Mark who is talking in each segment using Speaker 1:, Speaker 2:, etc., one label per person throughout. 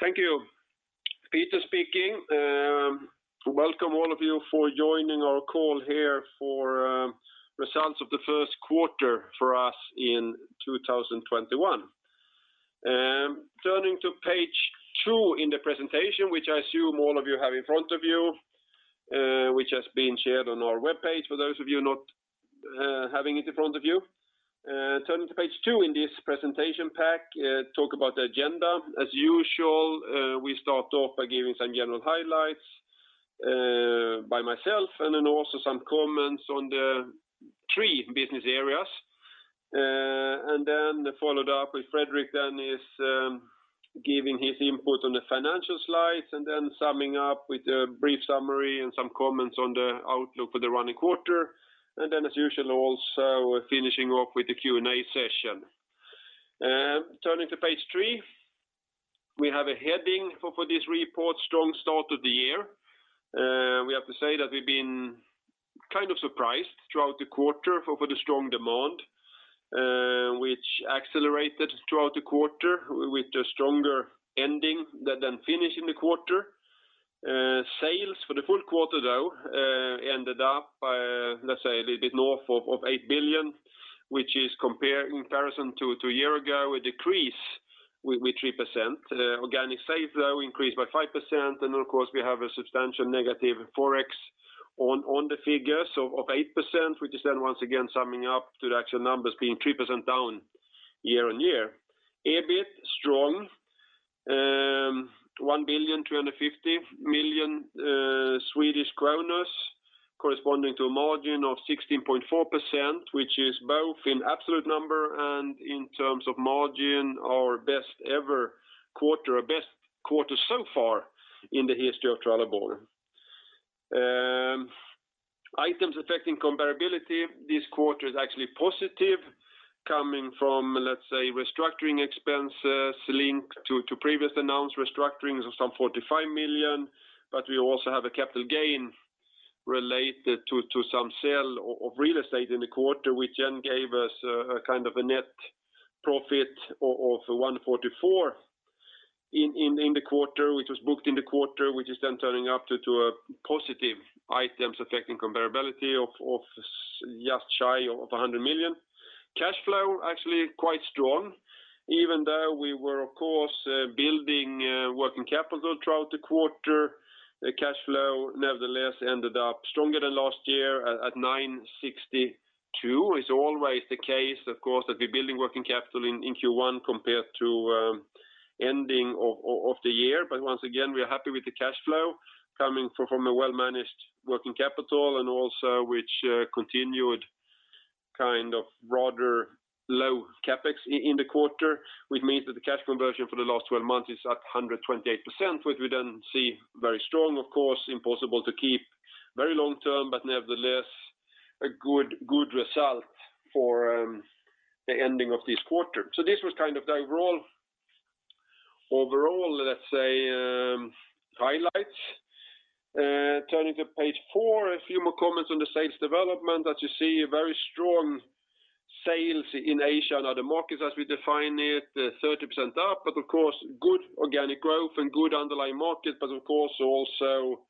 Speaker 1: Thank you. Peter speaking. Welcome all of you for joining our call here for results of the first quarter for us in 2021. Turning to page two in the presentation, which I assume all of you have in front of you, which has been shared on our webpage for those of you not having it in front of you. Turning to page two in this presentation pack, talk about the agenda. As usual, we start off by giving some general highlights by myself and then also some comments on the three business areas. Then followed up with Fredrik, then he's giving his input on the financial slides and then summing up with a brief summary and some comments on the outlook for the running quarter. Then as usual, also, we're finishing off with the Q&A session. Turning to page three, we have a heading for this report, Strong Start of the Year. We have to say that we've been kind of surprised throughout the quarter for the strong demand, which accelerated throughout the quarter with a stronger ending than finish in the quarter. Sales for the full quarter, though, ended up, let's say a little bit north of 8 billion, which is in comparison to a year ago, a decrease with 3%. Of course, we have a substantial negative ForEx on the figures of 8%, which is Once again summing up to the actual numbers being 3% down year-on-year. EBIT, strong, 1.35 billion, corresponding to a margin of 16.4%, which is both in absolute number and in terms of margin, our best ever quarter or best quarter so far in the history of Trelleborg. Items affecting comparability this quarter is actually positive, coming from, let's say, restructuring expenses linked to previous announced restructurings of some 45 million. We also have a capital gain related to some sale of real estate in the quarter, which gave us a net profit of 144 million in the quarter, which was booked in the quarter, which is turning up to a positive items affecting comparability of just shy of 100 million. Cash flow, actually quite strong. Even though we were, of course, building working capital throughout the quarter, the cash flow nevertheless ended up stronger than last year at 962. It's always the case, of course, that we're building working capital in Q1 compared to ending of the year. Once again, we are happy with the cash flow coming from a well-managed working capital and also which continued broader low CapEx in the quarter, which means that the cash conversion for the last 12 months is at 128%, which we then see very strong, of course, impossible to keep very long term, but nevertheless, a good result for the ending of this quarter. This was the overall, let's say, highlights. Turning to page four, a few more comments on the sales development that you see very strong sales in Asia and other markets as we define it, 30% up. Of course, good organic growth and good underlying market, but of course, also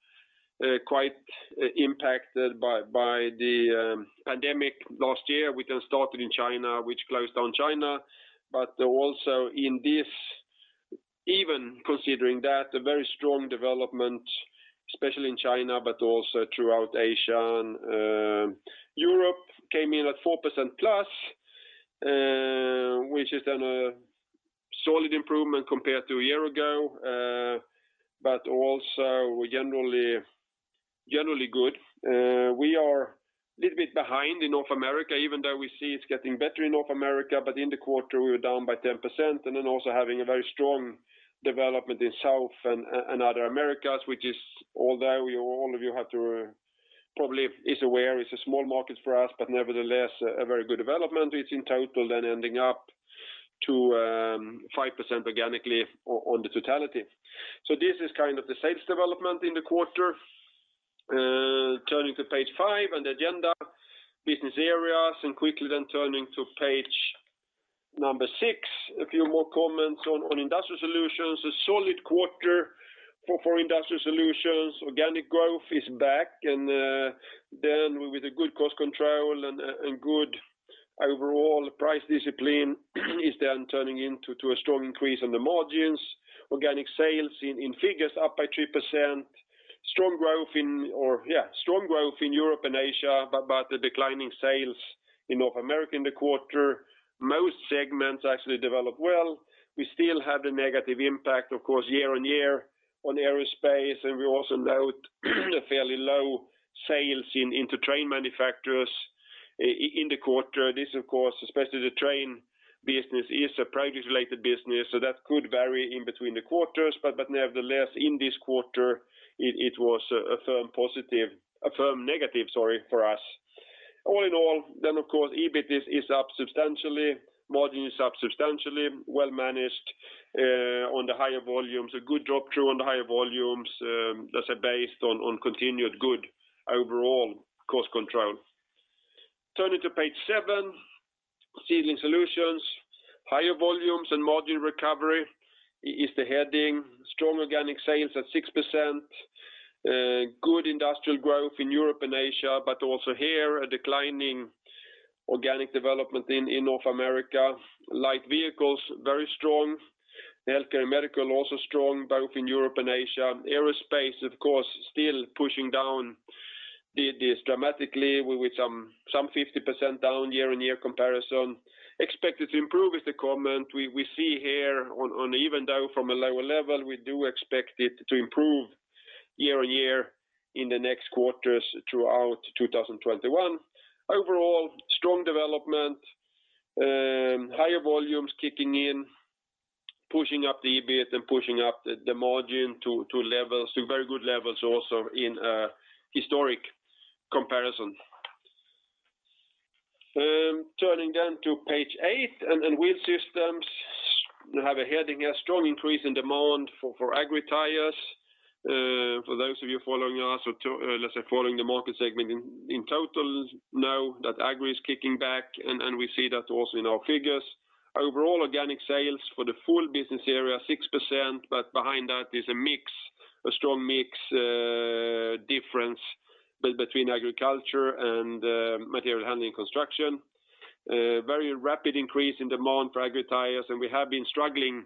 Speaker 1: quite impacted by the pandemic last year, which then started in China, which closed down China. Also in this, even considering that, a very strong development, especially in China, but also throughout Asia and Europe came in at 4%+, which is then a solid improvement compared to a year ago, but also generally good. We are a little bit behind in North America, even though we see it's getting better in North America, but in the quarter, we were down by 10% and then also having a very strong development in South and other Americas, which is although all of you probably is aware, it's a small market for us, but nevertheless, a very good development. It's in total then ending up to 5% organically on the totality. This is the sales development in the quarter. Turning to page five and the agenda, business areas, and quickly then turning to page number six, a few more comments on Industrial Solutions. A solid quarter for Trelleborg Industrial Solutions. Organic growth is back, with a good cost control and good overall price discipline is turning into a strong increase in the margins. Organic sales in figures up by 3%. Strong growth in Europe and Asia, the declining sales in North America in the quarter. Most segments actually developed well. We still have the negative impact, of course, year-on-year on aerospace, we also note a fairly low sales into train manufacturers in the quarter. This, of course, especially the train business, is a project-related business, that could vary in between the quarters, nevertheless, in this quarter, it was a firm negative for us. All in all, of course, EBIT is up substantially, margin is up substantially, well managed on the higher volumes, a good drop through on the higher volumes that are based on continued good overall cost control. Turning to page seven, Trelleborg Sealing Solutions. Higher volumes and margin recovery is the heading. Strong organic sales at 6%. Good industrial growth in Europe and Asia, also here, a declining organic development in North America. Light vehicles, very strong. Healthcare and medical also strong both in Europe and Asia. Aerospace, of course, still pushing down this dramatically with some 50% down year-on-year comparison. Expected to improve is the comment. We see here, even though from a lower level, we do expect it to improve year-on-year in the next quarters throughout 2021. Overall, strong development. Higher volumes kicking in, pushing up the EBIT and pushing up the margin to very good levels also in a historic comparison. Turning to page eight and Wheel Systems. We have a heading here, strong increase in demand for agri tires. For those of you following us, or let's say following the market segment in total, know that agri is kicking back, and we see that also in our figures. Overall organic sales for the full business area are 6%, behind that is a strong mix difference between agriculture and material handling construction. Very rapid increase in demand for agri tires, we have been struggling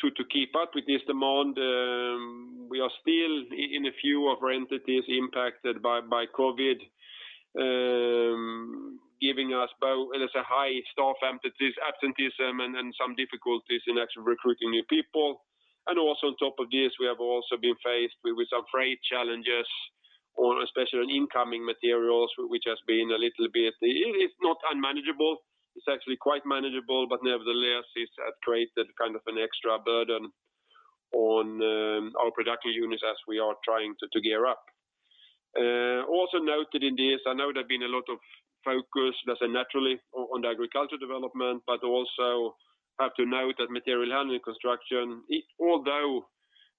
Speaker 1: to keep up with this demand. We are still, in a few of our entities, impacted by COVID, giving us both a high staff absenteeism and some difficulties in actually recruiting new people. Also on top of this, we have also been faced with some freight challenges, especially on incoming materials. It is not unmanageable. It is actually quite manageable, but nevertheless, it has created an extra burden on our production units as we are trying to gear up. Also noted in this, I know there has been a lot of focus, let us say naturally, on the agriculture development, but also have to note that material handling construction, although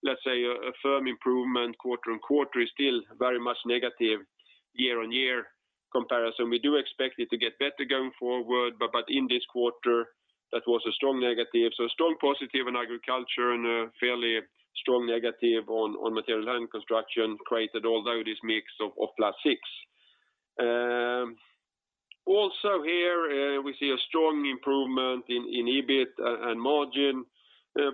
Speaker 1: let us say a firm improvement quarter-on-quarter is still very much negative year-on-year comparison. We do expect it to get better going forward. In this quarter, that was a strong negative. A strong positive in agriculture and a fairly strong negative on material handling construction created all though this mix of +6%. Also here, we see a strong improvement in EBIT and margin.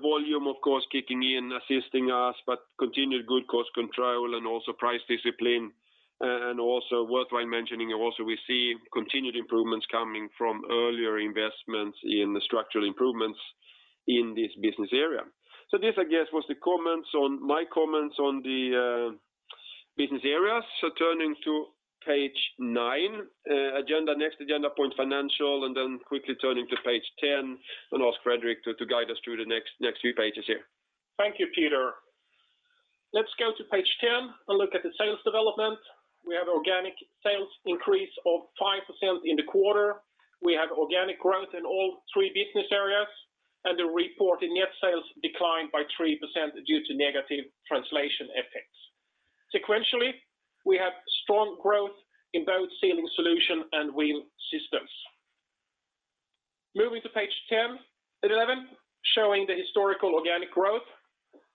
Speaker 1: Volume, of course, kicking in, assisting us, but continued good cost control and also price discipline. Also worthwhile mentioning, also we see continued improvements coming from earlier investments in the structural improvements in this business area. This, I guess, was my comments on the business areas. Turning to page nine, next agenda point, financial, and then quickly turning to page 10 and ask Fredrik to guide us through the next few pages here.
Speaker 2: Thank you, Peter. Let's go to page 10 and look at the sales development. We have organic sales increase of 5% in the quarter. We have organic growth in all three business areas, and the reported net sales declined by 3% due to negative translation effects. Sequentially, we have strong growth in both Sealing Solutions and Wheel Systems. Moving to page 11, showing the historical organic growth.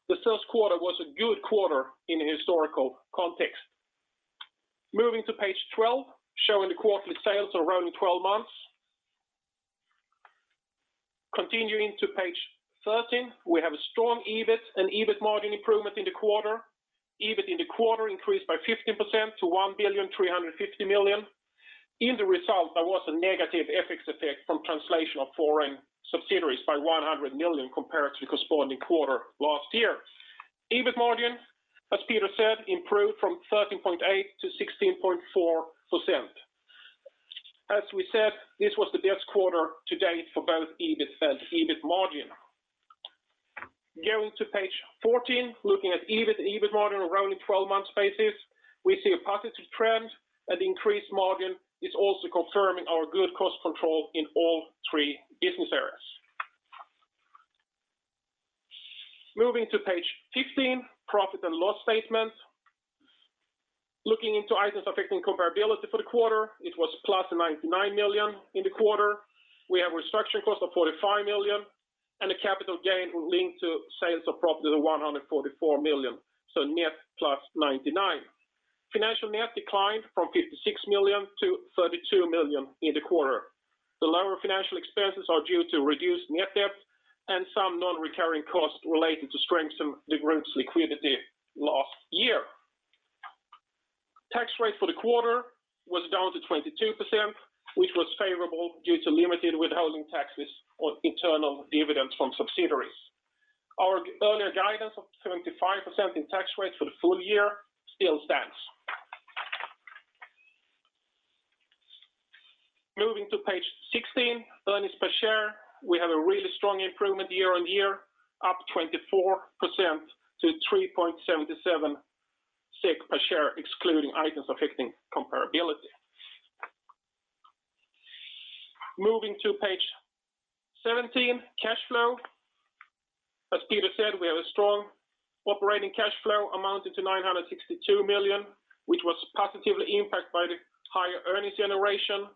Speaker 2: The first quarter was a good quarter in a historical context. Moving to page 12, showing the quarterly sales rolling 12 months. Continuing to page 13, we have a strong EBIT and EBIT margin improvement in the quarter. EBIT in the quarter increased by 15% to 1,350 million. In the result, there was a negative FX effect from translation of foreign subsidiaries by 100 million compared to the corresponding quarter last year. EBIT margin, as Peter said, improved from 13.8%-16.4%. As we said, this was the best quarter to date for both EBIT and EBIT margin. Going to page 14, looking at EBIT and EBIT margin on a rolling 12 months basis, we see a positive trend, increased margin is also confirming our good cost control in all three business areas. Moving to page 15, profit and loss statement. Looking into items affecting comparability for the quarter, it was plus 99 million in the quarter. We have restructuring costs of 45 million and a capital gain linked to sales of property of 144 million, so net plus 99. Financial net declined from 56 million-32 million in the quarter. The lower financial expenses are due to reduced net debt and some non-recurring costs related to strengthen the group's liquidity last year. Tax rate for the quarter was down to 22%, which was favorable due to limited withholding taxes on internal dividends from subsidiaries. Our earlier guidance of 75% in tax rates for the full year still stands. Moving to page 16, earnings per share. We have a really strong improvement year-over-year, up 24% to 3.77 SEK per share, excluding items affecting comparability. Moving to page 17, cash flow. As Peter said, we have a strong operating cash flow amounting to 962 million, which was positively impacted by the higher earnings generation,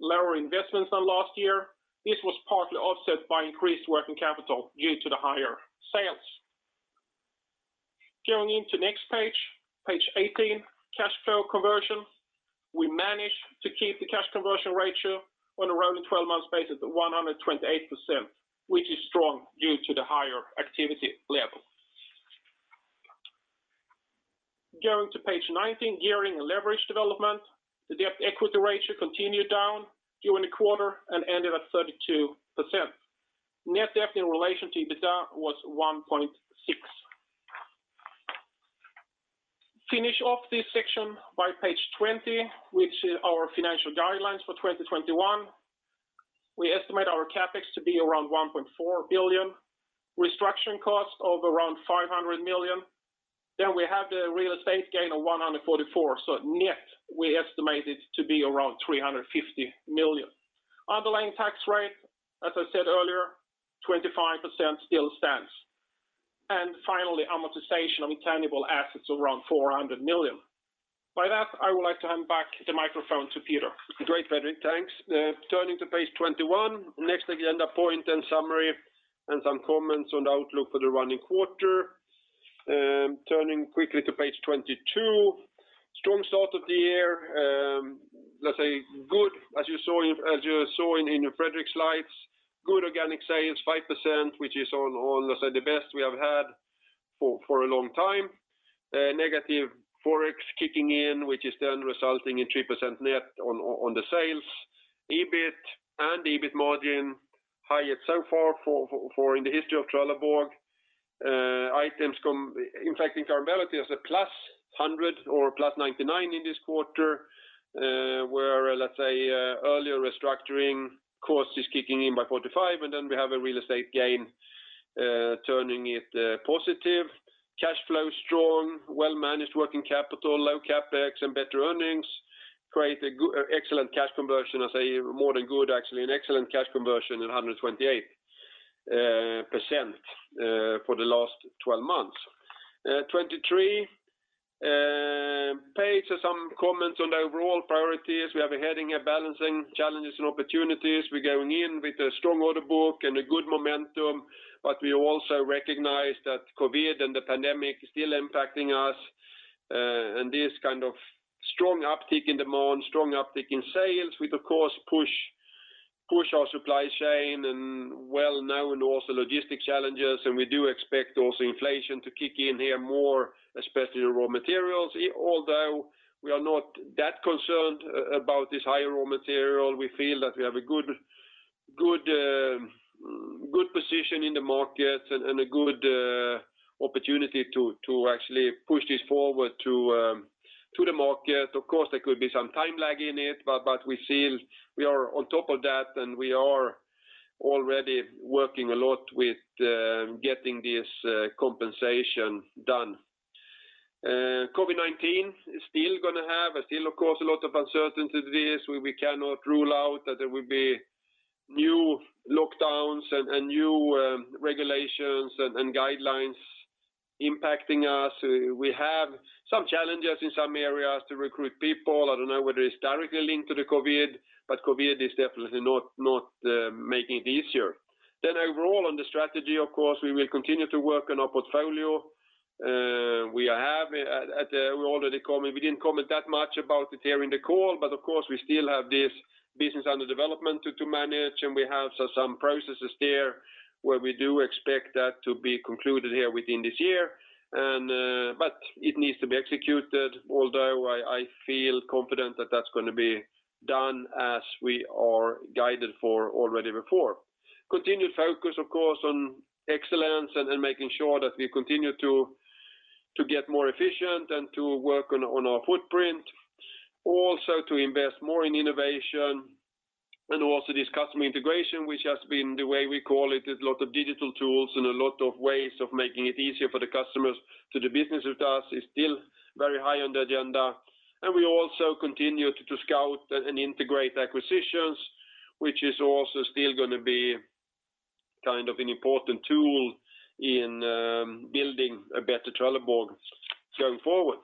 Speaker 2: lower investments than last year. This was partly offset by increased working capital due to the higher sales. Going into next page 18, cash flow conversion. We managed to keep the cash conversion ratio on a rolling 12 months basis at 128%, which is strong due to the higher activity level. Going to page 19, gearing and leverage development. The debt equity ratio continued down during the quarter and ended at 32%. Net debt in relation to EBITDA was 1.6. Finish off this section by page 20, which is our financial guidelines for 2021. We estimate our CapEx to be around 1.4 billion. Restructuring costs of around 500 million. We have the real estate gain of 144. Net, we estimate it to be around 350 million. Underlying tax rate, as I said earlier, 25% still stands. Finally, amortization of intangible assets, around 400 million. By that, I would like to hand back the microphone to Peter.
Speaker 1: Great, Fredrik. Thanks. Turning to page 21. Next agenda point and summary and some comments on the outlook for the running quarter. Turning quickly to page 22. Strong start of the year. Let's say good, as you saw in Fredrik's slides, good organic sales, 5%, which is on, let's say the best we have had for a long time. Negative Forex kicking in, which is then resulting in 3% net on the sales. EBIT and EBIT margin highest so far in the history of Trelleborg. Items impacting comparability as a +100 or +99 in this quarter, where, let's say, earlier restructuring costs is kicking in by 45. We have a real estate gain turning it positive. Cash flow strong, well-managed working capital, low CapEx, and better earnings create excellent cash conversion. I say more than good, actually an excellent cash conversion at 128% for the last 12 months. Page 23 are some comments on the overall priorities. We have a heading here, balancing challenges and opportunities. We're going in with a strong order book and a good momentum. We also recognize that COVID and the pandemic still impacting us. This kind of strong uptick in demand, strong uptick in sales will of course push our supply chain and well now and also logistic challenges. We do expect also inflation to kick in here more, especially raw materials, although we are not that concerned about this higher raw material. We feel that we have a good position in the market and a good opportunity to actually push this forward to the market. Of course, there could be some time lag in it, but we feel we are on top of that and we are already working a lot with getting this compensation done. COVID-19 is still going to have, still of course, a lot of uncertainties. We cannot rule out that there will be new lockdowns and new regulations and guidelines impacting us. We have some challenges in some areas to recruit people. I don't know whether it's directly linked to the COVID, but COVID is definitely not making it easier. Overall on the strategy, of course, we will continue to work on our portfolio. We didn't comment that much about it here in the call, but of course, we still have this business under development to manage, and we have some processes there where we do expect that to be concluded here within this year. It needs to be executed, although I feel confident that that's going to be done as we are guided for already before. Continued focus, of course, on excellence and making sure that we continue to get more efficient and to work on our footprint. Also to invest more in innovation and also this customer integration, which has been the way we call it, a lot of digital tools and a lot of ways of making it easier for the customers to do business with us is still very high on the agenda. We also continue to scout and integrate acquisitions, which is also still going to be kind of an important tool in building a better Trelleborg going forward.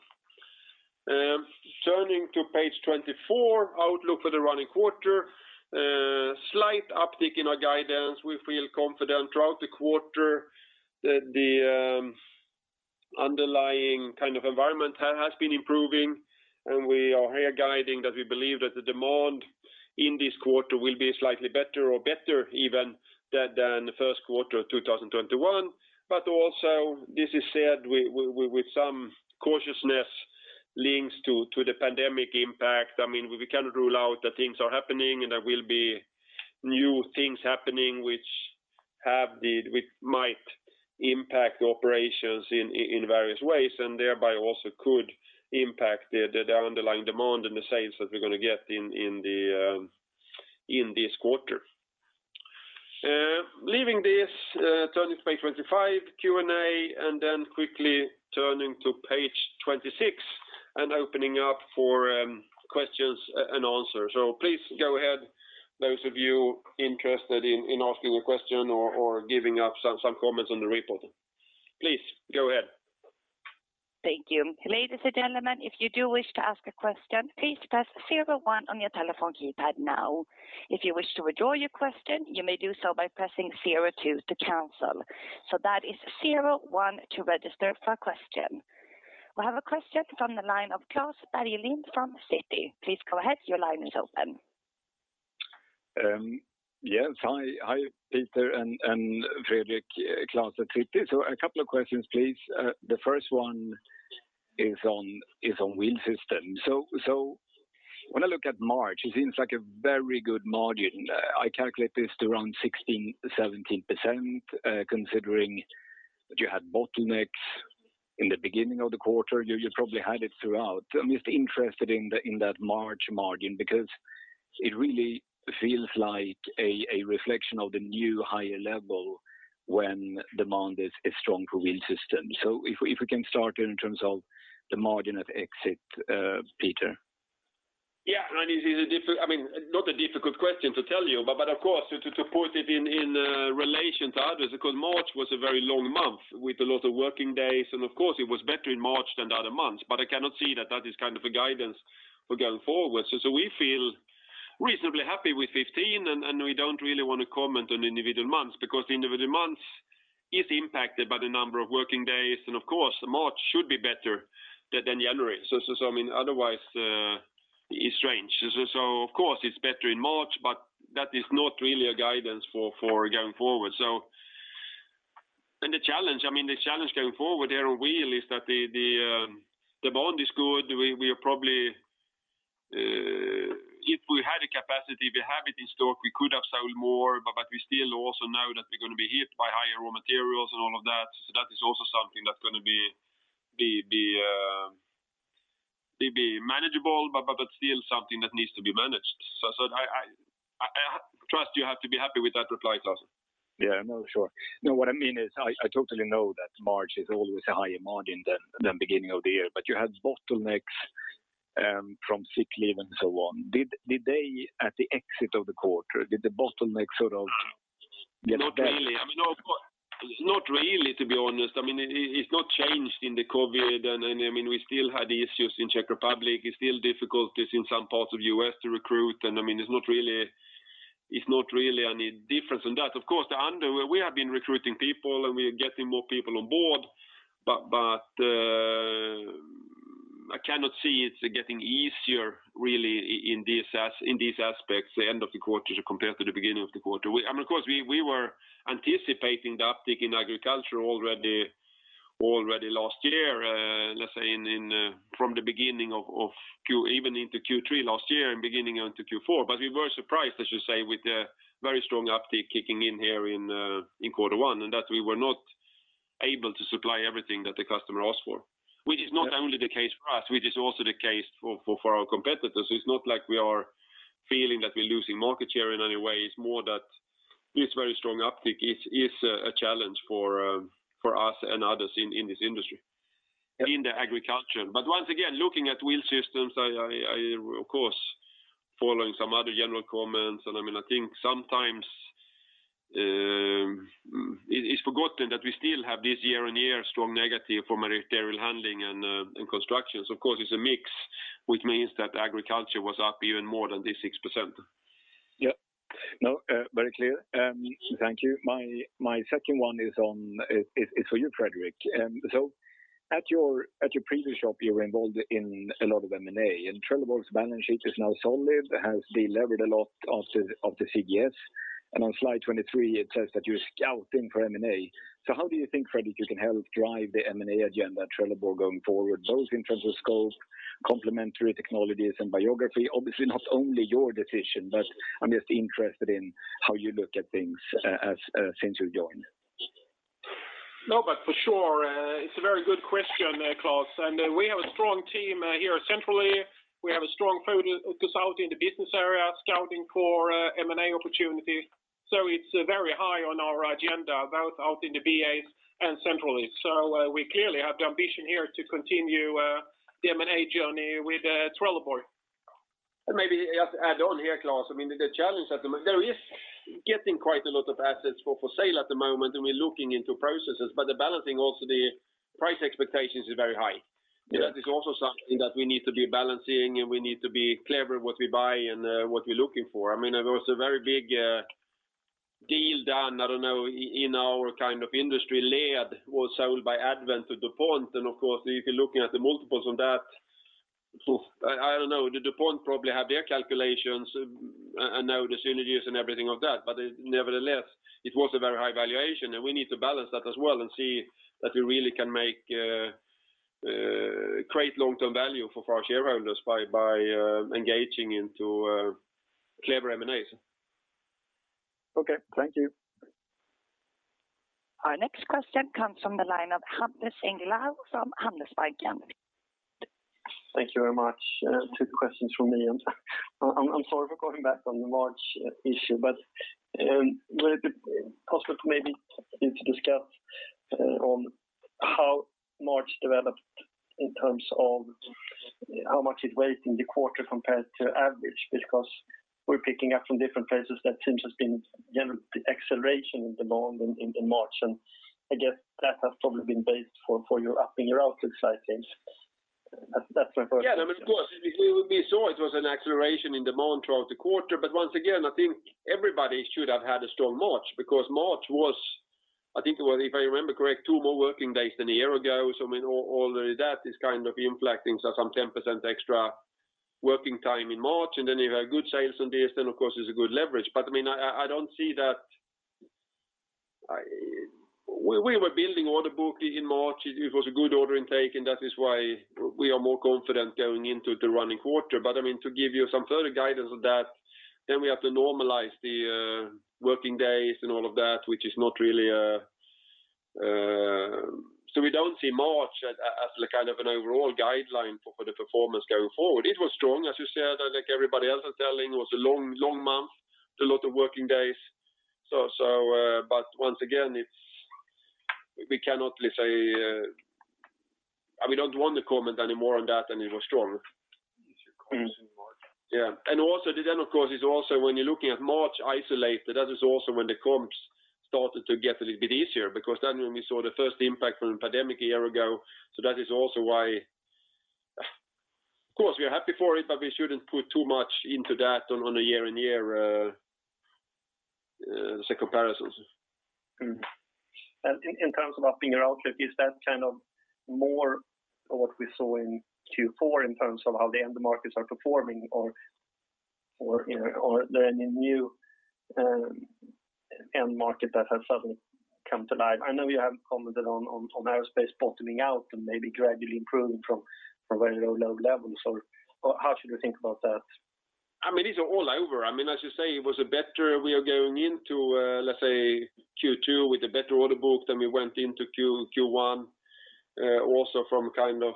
Speaker 1: Turning to page 24, outlook for the running quarter. Slight uptick in our guidance. We feel confident throughout the quarter that the underlying kind of environment has been improving, and we are here guiding that we believe that the demand in this quarter will be slightly better or better even than the first quarter of 2021. Also this is said with some cautiousness linked to the pandemic impact. We cannot rule out that things are happening and there will be new things happening which might impact the operations in various ways and thereby also could impact the underlying demand and the sales that we're going to get in this quarter. Leaving this, turning to page 25, Q&A, and then quickly turning to page 26 and opening up for questions and answers. Please go ahead, those of you interested in asking a question or giving us some comments on the report. Please go ahead.
Speaker 3: Thank you. Ladies and gentlemen, if you do wish to ask a question, please press zero one on your telephone keypad now. If you wish to withdraw your question, you may do so by pressing zero two to cancel. That is zero one to register for a question. We have a question from the line of Klas Berglind from Citi. Please go ahead. Your line is open.
Speaker 4: Yes. Hi, Peter Nilsson and Fredrik. Klas at Citi. A couple of questions, please. The first one is on Wheel Systems. When I look at March, it seems like a very good margin. I calculate this to around 16%-17%, considering that you had bottlenecks in the beginning of the quarter. You probably had it throughout. I am just interested in that March margin because it really feels like a reflection of the new higher level when demand is strong for Wheel Systems. If we can start in terms of the margin at exit, Peter?
Speaker 1: This is not a difficult question to tell you, but of course, to put it in relation to others, because March was a very long month with a lot of working days, and of course, it was better in March than the other months, but I cannot see that that is a guidance for going forward. We feel reasonably happy with 15, and we don't really want to comment on individual months because the individual month is impacted by the number of working days, and of course, March should be better than January. Otherwise, it's strange. Of course, it's better in March, but that is not really a guidance for going forward. The challenge going forward there on wheel is that the demand is good. If we had the capacity, we have it in stock, we could have sold more, but we still also know that we're going to be hit by higher raw materials and all of that. That is also something that's going to be manageable, but still something that needs to be managed. I trust you have to be happy with that reply, Klas.
Speaker 4: Yeah, no, sure. No, what I mean is I totally know that March is always a higher margin than beginning of the year, but you had bottlenecks from sick leave and so on. At the exit of the quarter, did the bottleneck sort of get better?
Speaker 1: Not really, to be honest. It's not changed in the COVID. We still had issues in Czech Republic. It's still difficulties in some parts of the U.S. to recruit, and it's not really any difference in that. Of course, we have been recruiting people, and we are getting more people on board, but I cannot see it's getting easier, really, in these aspects the end of the quarter compared to the beginning of the quarter. Of course, we were anticipating the uptick in agriculture already last year. Let's say from the beginning of even into Q3 last year and beginning into Q4. We were surprised, as you say, with the very strong uptick kicking in here in quarter one, in that we were not able to supply everything that the customer asked for. Which is not only the case for us, which is also the case for our competitors. It's not like we are feeling that we're losing market share in any way. It's more that this very strong uptick is a challenge for us and others in this industry, in the agriculture. Once again, looking at Wheel Systems, of course, following some other general comments, and I think sometimes it's forgotten that we still have this year-on-year strong negative for material handling and construction. Of course, it's a mix, which means that agriculture was up even more than this 6%.
Speaker 4: Yeah. No, very clear. Thank you. My second one is for you, Fredrik. At your previous job, you were involved in a lot of M&A, and Trelleborg's balance sheet is now solid, has delevered a lot of the TRS, and on slide 23, it says that you're scouting for M&A. How do you think, Fredrik, you can help drive the M&A agenda at Trelleborg going forward, both in terms of scope, complementary technologies and geography? Obviously not only your decision, but I'm just interested in how you look at things since you joined.
Speaker 2: For sure. It's a very good question, Klas. We have a strong team here centrally. We have a strong focus out in the business area, scouting for M&A opportunities. It's very high on our agenda, both out in the BAs and centrally. We clearly have the ambition here to continue the M&A journey with Trelleborg.
Speaker 1: Maybe just add on here, Klas, the challenge at the moment there is getting quite a lot of assets for sale at the moment, and we're looking into processes. The balancing, also the price expectations is very high.
Speaker 4: Yeah.
Speaker 1: That is also something that we need to be balancing, and we need to be clever what we buy and what we're looking for. There was a very big deal done, I don't know, in our kind of industry, Laird was sold by Advent to DuPont and of course, if you're looking at the multiples on that, I don't know. DuPont probably have their calculations. I know the synergies and everything of that, but nevertheless, it was a very high valuation, and we need to balance that as well and see that we really can make great long-term value for our shareholders by engaging into clever M&As.
Speaker 4: Okay. Thank you.
Speaker 3: Our next question comes from the line of Hampus Engellau from Handelsbanken.
Speaker 5: Thank you very much. Two questions from me. I'm sorry for going back on the March issue, would it be possible maybe to discuss how March developed in terms of how much it weighed in the quarter compared to average? We're picking up from different places that things have been generally acceleration in March. I guess that has probably been based for upping your outlook guidance. That's my first question.
Speaker 1: Of course, we saw it was an acceleration in demand throughout the quarter. Once again, I think everybody should have had a strong March because March was, I think if I remember correctly, two more working days than a year ago. All of that is kind of impacting, so some 10% extra working time in March. If you have good sales on this, then of course it's a good leverage. We were building order book in March. It was a good order intake, and that is why we are more confident going into the running quarter. To give you some further guidance on that, then we have to normalize the working days and all of that. We don't see March as kind of an overall guideline for the performance going forward. It was strong, as you said, like everybody else is telling, it was a long month with a lot of working days. Once again, we don't want to comment any more on that than it was strong.
Speaker 5: Easy calls in March.
Speaker 1: Yeah. Also then, of course, when you're looking at March isolated, that is also when the comps started to get a little bit easier, because that's when we saw the first impact from the pandemic a year ago. That is also why, of course, we are happy for it, but we shouldn't put too much into that on a year-on-year comparisons.
Speaker 5: In terms of upping your outlook, is that kind of more of what we saw in Q4 in terms of how the end markets are performing or are there any new end market that has suddenly come to life? I know you have commented on aerospace bottoming out and maybe gradually improving from very low levels. How should we think about that?
Speaker 1: It's all over. As you say, we are going into, let's say Q2 with a better order book than we went into Q1, also from kind of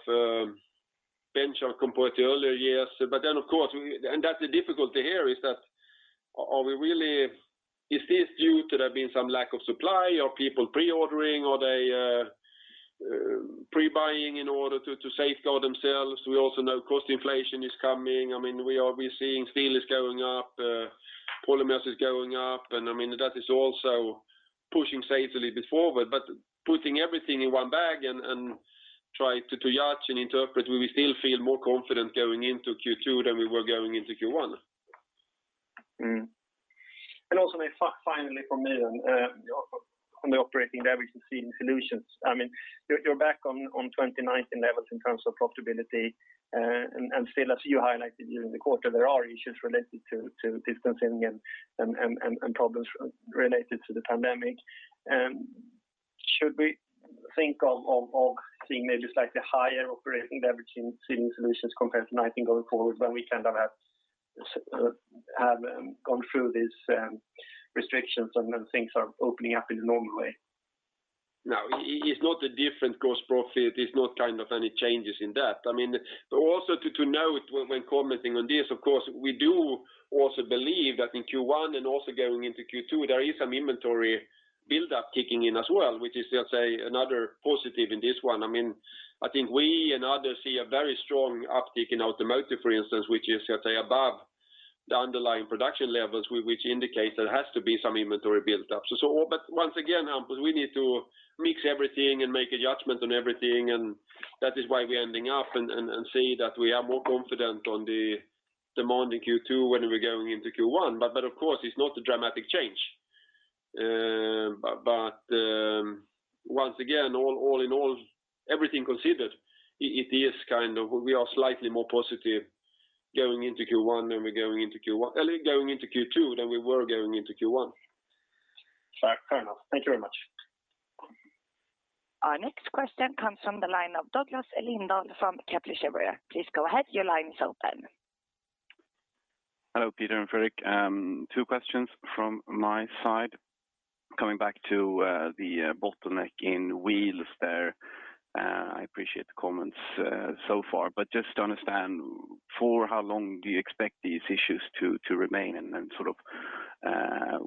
Speaker 1: bench of compared to earlier years. That's the difficulty here is that is this due to there being some lack of supply or people pre-ordering, or they pre-buying in order to safeguard themselves? We also know cost inflation is coming. We are seeing steel is going up, polymers is going up, and that is also pushing sales a little bit forward. Putting everything in one bag and trying to judge and interpret, we still feel more confident going into Q2 than we were going into Q1.
Speaker 5: Finally from me on the operating leverage in Trelleborg Sealing Solutions. You're back on 2019 levels in terms of profitability. Still, as you highlighted during the quarter, there are issues related to distancing and problems related to the pandemic. Should we think of seeing maybe slightly higher operating leverage in Trelleborg Sealing Solutions compared to 2019 going forward when we kind of have gone through these restrictions and when things are opening up in a normal way?
Speaker 1: It's not a different gross profit. There's not any changes in that. Also to note when commenting on this, of course, we do also believe that in Q1 and also going into Q2, there is some inventory buildup kicking in as well, which is, let's say, another positive in this one. I think we and others see a very strong uptick in automotive, for instance, which is, let's say, above the underlying production levels, which indicates there has to be some inventory built up. Once again, Hampus, we need to mix everything and make a judgment on everything, and that is why we're ending up and saying that we are more confident on the demand in Q2 when we're going into Q1. Of course, it's not a dramatic change. Once again, all in all, everything considered, we are slightly more positive going into Q2 than we were going into Q1.
Speaker 5: Fair enough. Thank you very much.
Speaker 3: Our next question comes from the line of Douglas Lindahl from Kepler Cheuvreux. Please go ahead. Your line is open.
Speaker 6: Hello, Peter and Fredrik. Two questions from my side. Coming back to the bottleneck in wheels there, I appreciate the comments so far. Just to understand, for how long do you expect these issues to remain?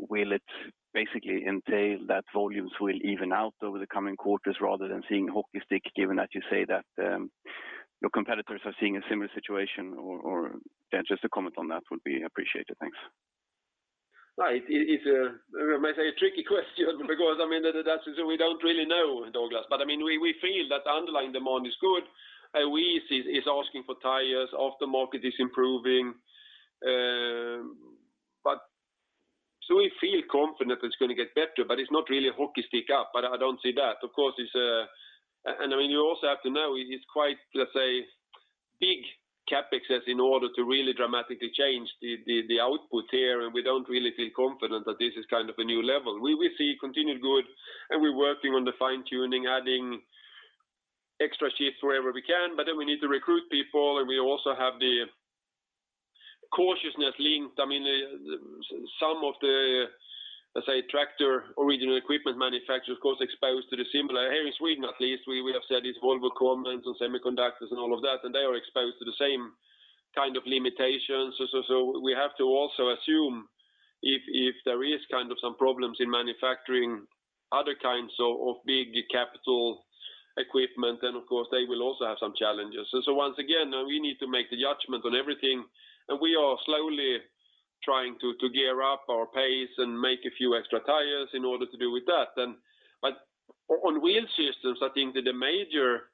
Speaker 6: Will it basically entail that volumes will even out over the coming quarters rather than seeing a hockey stick, given that you say that your competitors are seeing a similar situation, or just a comment on that would be appreciated. Thanks.
Speaker 1: It's, I might say, a tricky question because we don't really know, Douglas. We feel that the underlying demand is good, and Wheels is asking for tires, after market is improving. We feel confident it's going to get better, but it's not really a hockey stick up. I don't see that. You also have to know it's quite, let's say, big CapEx in order to really dramatically change the output here, and we don't really feel confident that this is kind of a new level. We will see continued good, and we're working on the fine-tuning, adding extra shifts wherever we can, but then we need to recruit people, and we also have the cautiousness linked. Some of the, let's say, tractor original equipment manufacturers, of course, exposed to the CEMA. Here in Sweden, at least, we have said it's Volvo components and semiconductors and all of that, and they are exposed to the same kind of limitations. We have to also assume if there is some problems in manufacturing other kinds of big capital equipment, then, of course, they will also have some challenges. Once again, we need to make the judgment on everything, and we are slowly trying to gear up our pace and make a few extra tires in order to do with that then. On Wheel Systems, I think that the major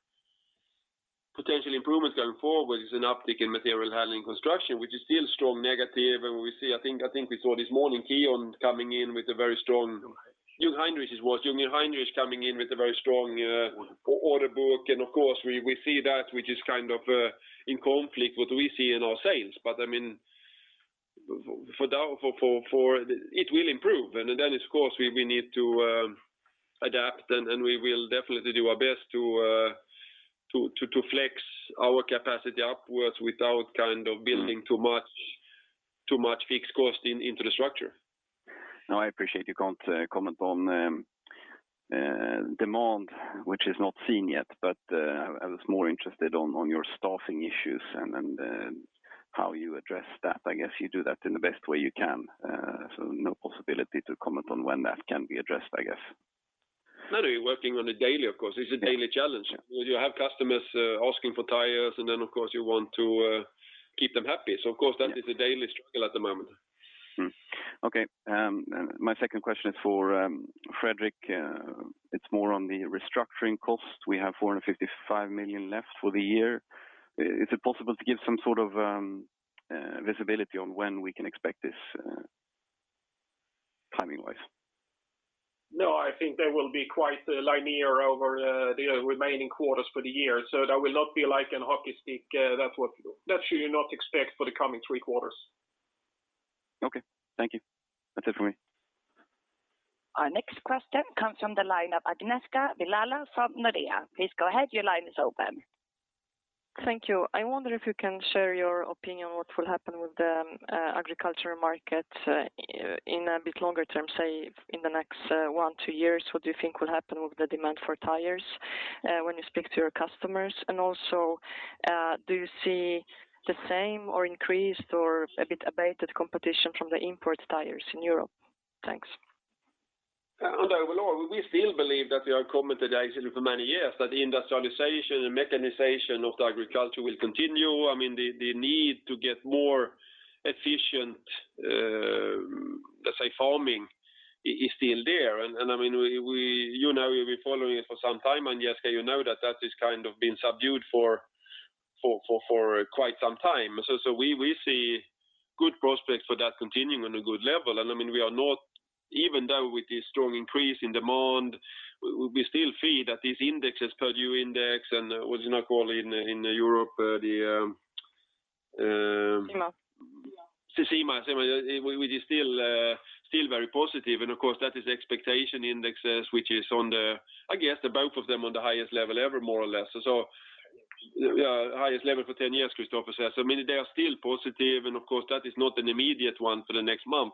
Speaker 1: potential improvements going forward is an uptick in material handling construction, which is still strong negative. I think we saw this morning Kion coming in with a very strong.
Speaker 6: Jungheinrich
Speaker 1: Jungheinrich it was. Jungheinrich coming in with a very strong order book, and of course, we see that, which is in conflict what we see in our sales. It will improve, and then, of course, we need to adapt, and we will definitely do our best to flex our capacity upwards without building too much fixed cost into the structure.
Speaker 6: No, I appreciate you can't comment on demand which is not seen yet, but I was more interested on your staffing issues and then how you address that. I guess you do that in the best way you can. No possibility to comment on when that can be addressed, I guess.
Speaker 1: No, we're working on it daily, of course. It's a daily challenge. You have customers asking for tires, and then, of course, you want to keep them happy. Of course, that is a daily struggle at the moment.
Speaker 6: Okay. My second question is for Fredrik. It's more on the restructuring cost. We have 455 million left for the year. Is it possible to give some sort of visibility on when we can expect this, timing-wise?
Speaker 2: No, I think they will be quite linear over the remaining quarters for the year. That will not be like a hockey stick. That you should not expect for the coming three quarters.
Speaker 6: Okay. Thank you. That's it for me.
Speaker 3: Our next question comes from the line of Agnieszka Vilela from Nordea.
Speaker 7: Thank you. I wonder if you can share your opinion what will happen with the agricultural market in a bit longer term, say in the next one, two years. What do you think will happen with the demand for tires when you speak to your customers? Also, do you see the same or increased or a bit abated competition from the import tires in Europe? Thanks.
Speaker 1: Overall, we still believe that we have commented for many years that the industrialization and mechanization of the agriculture will continue. The need to get more efficient, let's say, farming is still there. You and I, we've been following it for some time, Agnieszka, you know that that is being subdued for quite some time. We see good prospects for that continuing on a good level, and even though with this strong increase in demand, we still see that these indexes, Gallup-Purdue Index and what you now call in Europe.
Speaker 7: CEMA
Speaker 1: CEMA, which is still very positive. Of course, that is expectation indexes, which is on the, I guess, the both of them on the highest level ever, more or less. Highest level for 10 years, Christofer says. They are still positive, and of course, that is not an immediate one for the next month.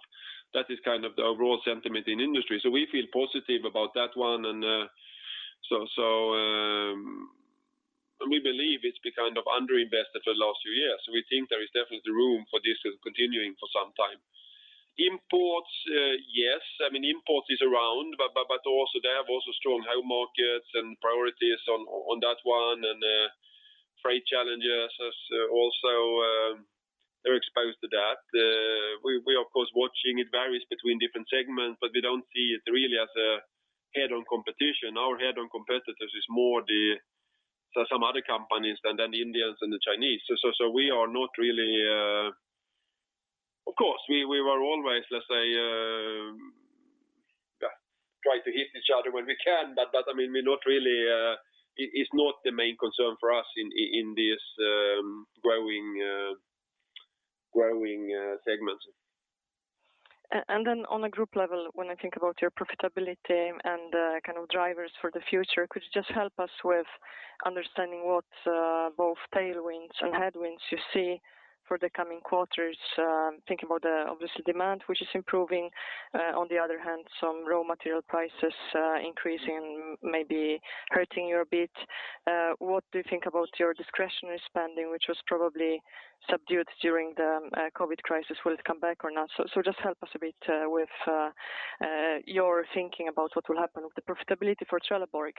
Speaker 1: That is the overall sentiment in industry. We feel positive about that one. We believe it's been under-invested for the last few years. We think there is definitely room for this continuing for some time. Imports, yes. Imports is around, but they have also strong home markets and priorities on that one, and freight challenges also, they're exposed to that. We of course watching it varies between different segments, but we don't see it really as a head-on competition. Our head-on competitors is more the some other companies than the Indians and the Chinese. Of course, we were always, let's say, try to hit each other when we can, but it's not the main concern for us in these growing segments.
Speaker 7: On a group level, when I think about your profitability and kind of drivers for the future, could you just help us with understanding what both tailwinds and headwinds you see for the coming quarters? Thinking about obviously demand, which is improving. On the other hand, some raw material prices increasing, maybe hurting you a bit. What do you think about your discretionary spending, which was probably subdued during the COVID crisis? Will it come back or not? Just help us a bit with your thinking about what will happen with the profitability for Trelleborg.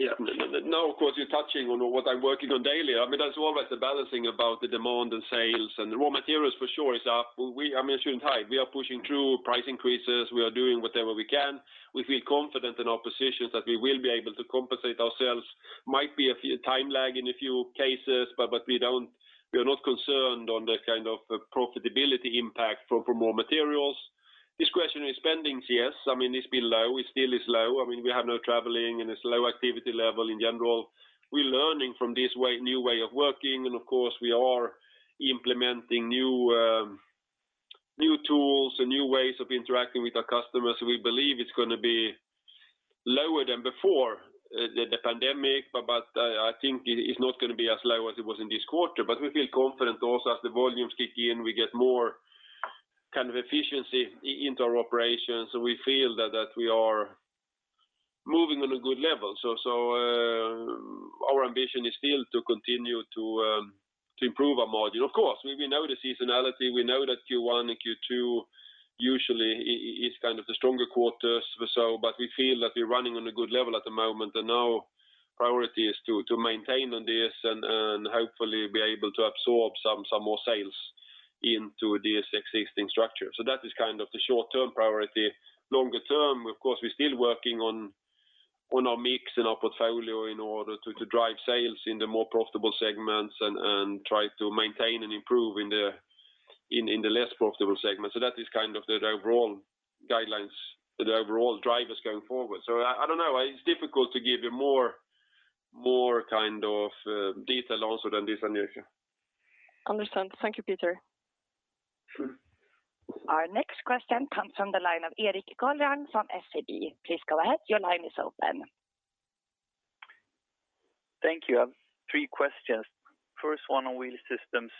Speaker 1: Yeah. Now, of course, you're touching on what I'm working on daily. That's always the balancing about the demand and sales and the raw materials for sure is up. I mean, as you're tight, we are pushing through price increases. We are doing whatever we can. We feel confident in our positions that we will be able to compensate ourselves. Might be a time lag in a few cases, we are not concerned on the kind of profitability impact from raw materials. Discretionary spendings, yes. It's been low. It still is low. We have no traveling, it's low activity level in general. We're learning from this new way of working, and of course, we are implementing new of interacting with our customers, we believe it's going to be lower than before the pandemic, but I think it's not going to be as low as it was in this quarter. We feel confident also as the volumes kick in, we get more efficiency into our operations, and we feel that we are moving on a good level. Our ambition is still to continue to improve our margin. Of course, we know the seasonality. We know that Q1 and Q2 usually is the stronger quarters. We feel that we're running on a good level at the moment, and our priority is to maintain on this and hopefully be able to absorb some more sales into this existing structure. That is the short-term priority. Longer term, of course, we're still working on our mix and our portfolio in order to drive sales in the more profitable segments and try to maintain and improve in the less profitable segments. That is the overall guidelines, the overall drivers going forward. I don't know. It's difficult to give you more detail also than this, Agnieszka Vilela.
Speaker 7: Understand. Thank you, Peter.
Speaker 1: Sure.
Speaker 3: Our next question comes from the line of Erik Golrang from SEB. Please go ahead. Your line is open.
Speaker 8: Thank you. I have three questions. First one on Trelleborg Wheel Systems.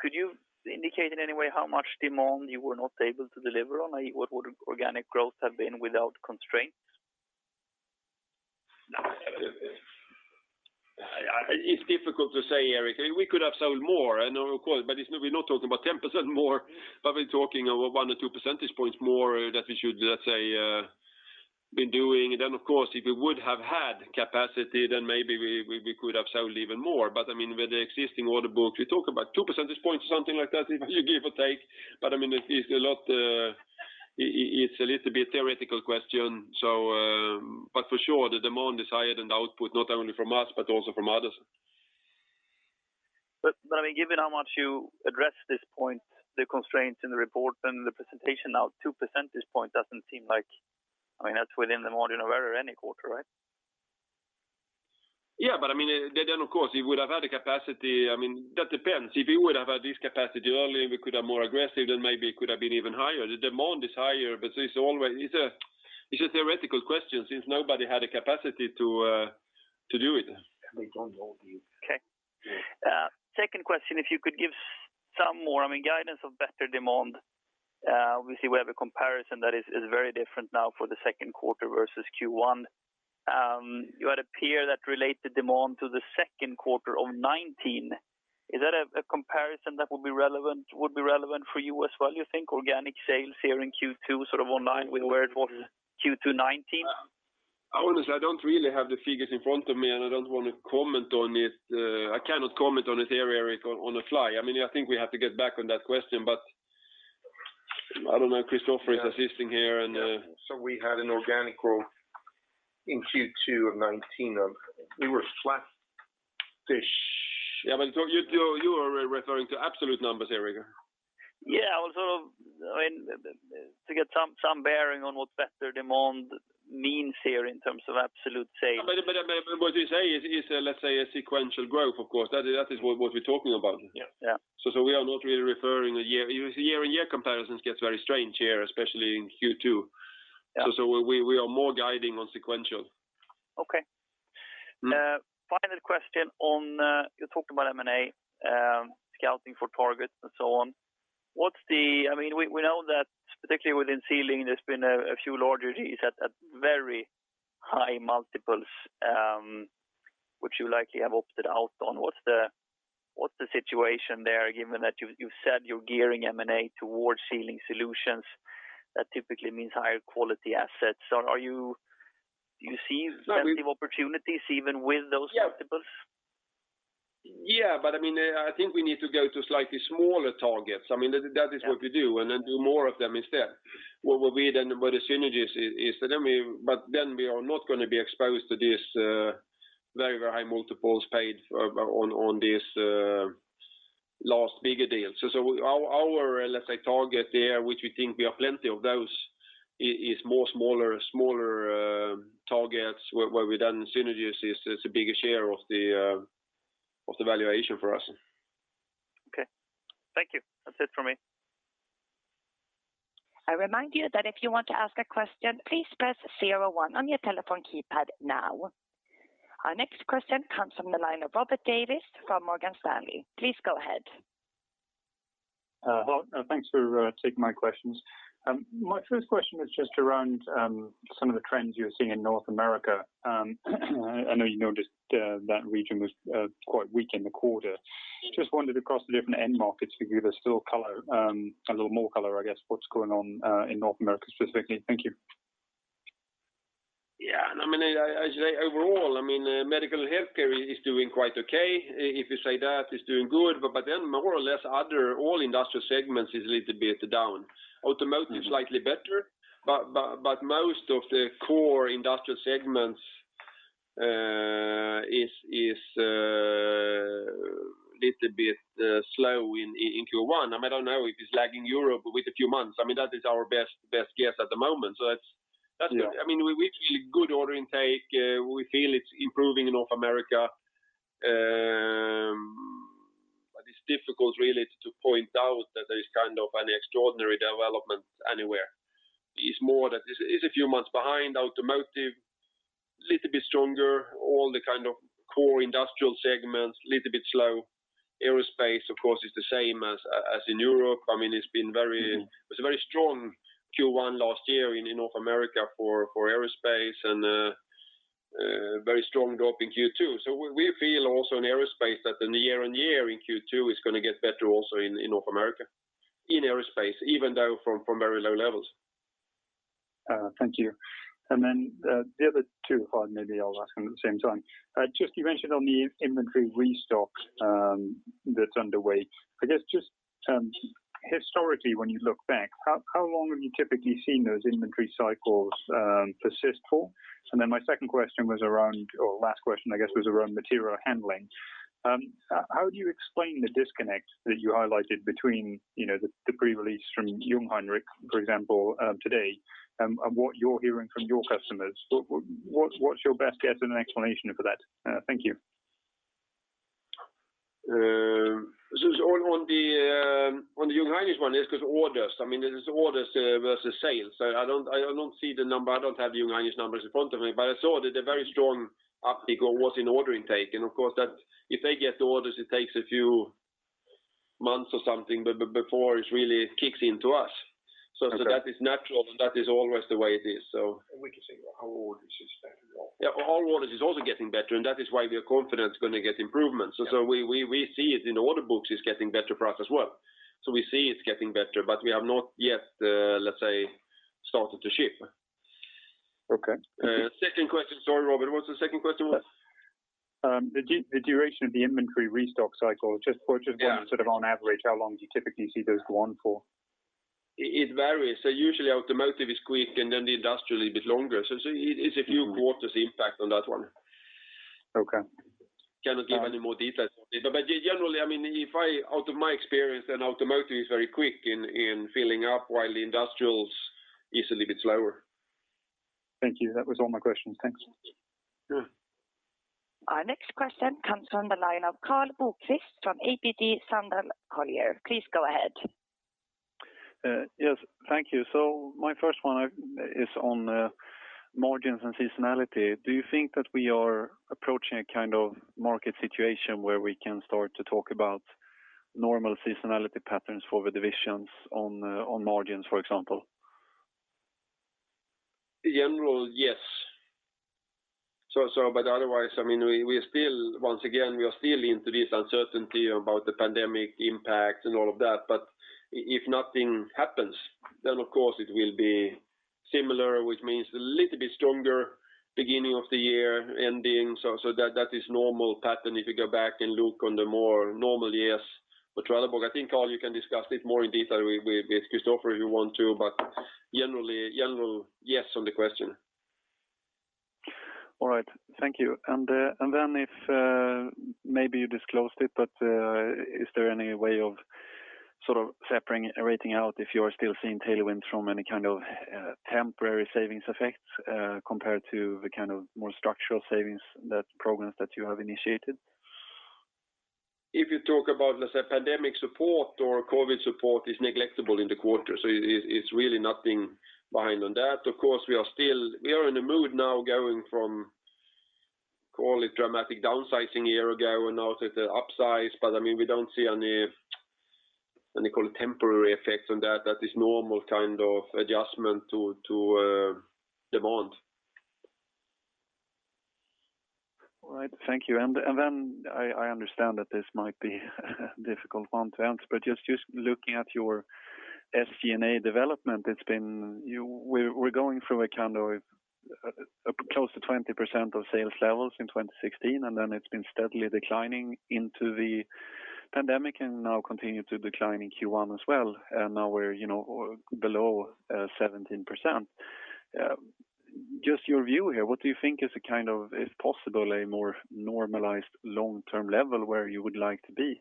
Speaker 8: Could you indicate in any way how much demand you were not able to deliver on? What would organic growth have been without constraints?
Speaker 1: It's difficult to say, Erik. We could have sold more, of course, we're not talking about 10% more, we're talking about one or 2% points more that we should, let's say, been doing. Of course, if we would have had capacity, then maybe we could have sold even more. With the existing order book, we talk about two percentage points, something like that, give or take. It's a little bit theoretical question. For sure, the demand is higher than the output, not only from us, but also from others.
Speaker 8: Given how much you address this point, the constraints in the report and the presentation now, two percentage point doesn't seem like that's within the margin of error any quarter, right?
Speaker 1: Of course, if we would have had the capacity, that depends. If we would have had this capacity earlier, we could have more aggressive, then maybe it could have been even higher. The demand is higher, but it's a theoretical question, since nobody had the capacity to do it.
Speaker 8: Okay. Second question, if you could give some more guidance of better demand. Obviously, we have a comparison that is very different now for the second quarter versus Q1. You had a peer that related demand to the second quarter of 2019. Is that a comparison that would be relevant for you as well, you think, organic sales here in Q2, online with where it was Q2 2019?
Speaker 1: I wouldn't say. I don't really have the figures in front of me, and I don't want to comment on it. I cannot comment on it here, Erik, on the fly. I think we have to get back on that question, but I don't know. Christofer is assisting here.
Speaker 9: We had an organic growth in Q2 of 2019, we were flat-ish.
Speaker 1: Yeah, you are referring to absolute numbers, Erik.
Speaker 8: Yeah. To get some bearing on what better demand means here in terms of absolute sales.
Speaker 1: What you say is, let's say, a sequential growth, of course. That is what we're talking about.
Speaker 8: Yeah.
Speaker 1: We are not really referring the year. Year-on-year comparisons gets very strange here, especially in Q2.
Speaker 8: Yeah.
Speaker 1: We are more guiding on sequential.
Speaker 8: Okay. Final question on. You talked about M&A, scouting for targets and so on. We know that particularly within sealing, there has been a few large deals at very high multiples, which you likely have opted out on. What is the situation there, given that you have said you are gearing M&A towards Sealing Solutions? That typically means higher quality assets. Do you see plenty of opportunities even with those multiples?
Speaker 1: I think we need to go to slightly smaller targets. That is what we do more of them instead, where the synergies is. We are not going to be exposed to these very, very high multiples paid on these last bigger deals. Our, let's say, target there, which we think we have plenty of those, is more smaller targets where synergies is a bigger share of the valuation for us.
Speaker 8: Okay. Thank you. That's it from me.
Speaker 3: I remind you that if you want to ask a question, please press zero one on your telephone keypad now. Our next question comes from the line of Robert Davies from Morgan Stanley. Please go ahead.
Speaker 10: Hello. Thanks for taking my questions. My first question is just around some of the trends you're seeing in North America. I know you noticed that region was quite weak in the quarter. Just wondered across the different end markets, could you give us a little more color, I guess, what's going on in North America specifically? Thank you.
Speaker 1: Yeah. I say overall, medical healthcare is doing quite okay, if you say that it's doing good. More or less other, all industrial segments is a little bit down. Automotive is slightly better, but most of the core industrial segments is a little bit slow in Q1. I don't know if it's lagging Europe with a few months. That is our best guess at the moment.
Speaker 10: Yeah.
Speaker 1: We feel good order intake. We feel it's improving in North America. It's difficult really to point out that there is an extraordinary development anywhere. It's more that this is a few months behind automotive, little bit stronger, all the kind of core industrial segments, little bit slow. Aerospace, of course, is the same as in Europe. It was a very strong Q1 last year in North America for aerospace and a very strong drop in Q2. We feel also in aerospace that in the year-over-year in Q2, it's going to get better also in North America in aerospace, even though from very low levels.
Speaker 10: Thank you. Then the other two, or maybe I'll ask them at the same time. Just you mentioned on the inventory restock that's underway. I guess just historically when you look back, how long have you typically seen those inventory cycles persist for? Then my second question was around, or last question, I guess, was around material handling. How do you explain the disconnect that you highlighted between the pre-release from Jungheinrich, for example, today, and what you're hearing from your customers? What's your best guess and an explanation for that? Thank you.
Speaker 1: It's all on the Jungheinrich one is because orders. I mean, there's orders versus sales. I don't see the number. I don't have Jungheinrich numbers in front of me, but I saw that a very strong uptick was in order intake. Of course, that if they get the orders, it takes a few months or something before it really kicks into us.
Speaker 10: Okay.
Speaker 1: That is natural and that is always the way it is. We can say our orders is better as well. Yeah. Our orders is also getting better, that is why we are confident it's going to get improvements. We see it in the order books, it's getting better for us as well. We see it's getting better, but we have not yet, let's say, started to ship.
Speaker 10: Okay.
Speaker 1: Second question. Sorry, Robert, what's the second question was?
Speaker 10: The duration of the inventory restock cycle, just purchased.
Speaker 1: Yeah
Speaker 10: On average, how long do you typically see those go on for?
Speaker 1: It varies. Usually automotive is quick and then the industrial a bit longer. It's a few quarters impact on that one.
Speaker 10: Okay.
Speaker 1: Cannot give any more details on it. Generally, out of my experience then automotive is very quick in filling up while the industrials is a little bit slower.
Speaker 10: Thank you. That was all my questions. Thanks.
Speaker 1: Yeah.
Speaker 3: Our next question comes from the line of Karl Bokvist from ABG Sundal Collier. Please go ahead.
Speaker 11: Yes. Thank you. My first one is on margins and seasonality. Do you think that we are approaching a kind of market situation where we can start to talk about normal seasonality patterns for the divisions on margins, for example?
Speaker 1: In general, yes. Otherwise, once again, we are still into this uncertainty about the pandemic impact and all of that, but if nothing happens, then of course it will be similar, which means a little bit stronger beginning of the year ending. That is normal pattern if you go back and look on the more normal years for Trelleborg. I think, Karl, you can discuss it more in detail with Christofer if you want to, generally, yes on the question.
Speaker 11: All right. Thank you. If, maybe you disclosed it, but is there any way of sort of separating, rating out if you are still seeing tailwinds from any kind of temporary savings effects compared to the kind of more structural savings that programs that you have initiated?
Speaker 1: If you talk about, let's say, pandemic support or COVID support is negligible in the quarter. It's really nothing behind on that. Of course, we are in a mood now going from, call it dramatic downsizing a year ago and now it is the upsize. We don't see any, call it temporary effects on that. That is normal kind of adjustment to demand.
Speaker 11: All right. Thank you. I understand that this might be a difficult one to answer, but just looking at your SG&A development, we're going through a kind of close to 20% of sales levels in 2016, and then it's been steadily declining into the pandemic and now continue to decline in Q1 as well. Now we're below 17%. Just your view here, what do you think is a kind of, if possible, a more normalized long-term level where you would like to be?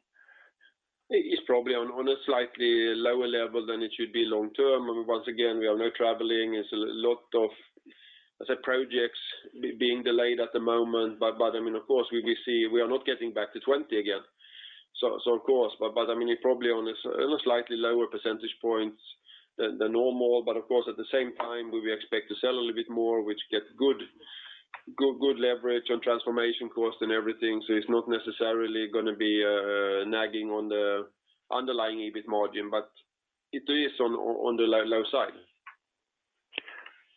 Speaker 1: It's probably on a slightly lower level than it should be long term. Once again, we are not traveling. It's a lot of, let's say, projects being delayed at the moment. Of course, we are not getting back to 20 again. Of course, but probably on a slightly lower percentage points than normal. Of course, at the same time, we expect to sell a little bit more, which get good leverage on transformation cost and everything. It's not necessarily going to be nagging on the underlying EBIT margin, but it is on the low side.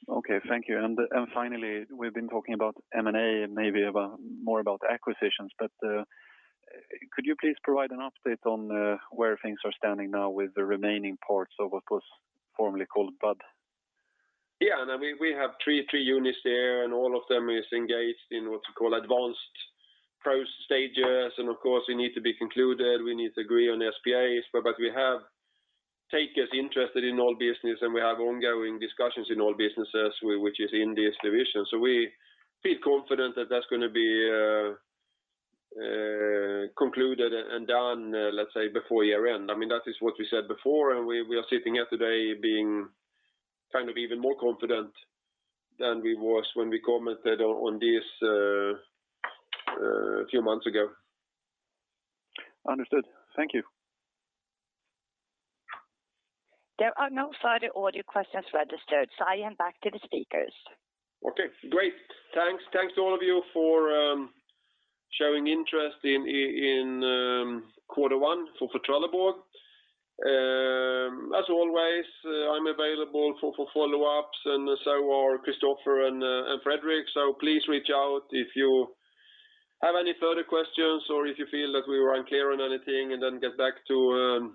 Speaker 11: Okay. Thank you. Finally, we've been talking about M&A, maybe more about acquisitions, but could you please provide an update on where things are standing now with the remaining parts of what was formerly called BUD?
Speaker 1: Yeah. We have three units there, and all of them is engaged in what we call advanced pro stages. Of course, we need to be concluded, we need to agree on SPAs, but we have takers interested in all business, and we have ongoing discussions in all businesses which is in this division. We feel confident that that's going to be concluded and done, let's say, before year-end. That is what we said before, and we are sitting here today being kind of even more confident than we was when we commented on this a few months ago.
Speaker 11: Understood. Thank you.
Speaker 3: There are no further audio questions registered. I hand back to the speakers.
Speaker 1: Okay, great. Thanks to all of you for showing interest in quarter one for Trelleborg. As always, I'm available for follow-ups, and so are Christofer and Fredrik. Please reach out if you have any further questions or if you feel that we were unclear on anything, and then get back to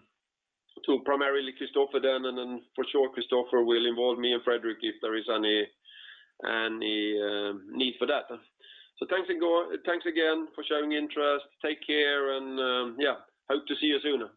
Speaker 1: primarily Christofer then, and then for sure, Christofer will involve me and Fredrik if there is any need for that. Thanks again for showing interest. Take care, and yeah, hope to see you sooner.